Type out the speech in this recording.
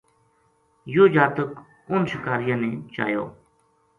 یوہ جاتک اَنھ شکاریاں نے چایو